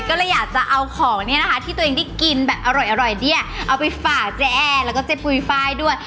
ก็เลยอยากจะเอาของเนี่ยนะคะที่ตัวเองได้กินแบบอร่อยเนี่ยเอาไปฝากเจ๊แอร์แล้วก็เจ๊ปุ๋ยไฟล์ด้วย